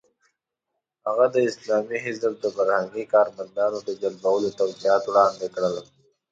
هغه د اسلامي حزب د فرهنګي کارمندانو د جلبولو توضیحات وړاندې کړل.